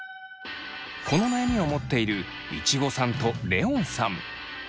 この悩みを持っているいちごさんとレオンさん。